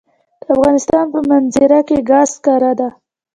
د افغانستان په منظره کې ګاز ښکاره ده.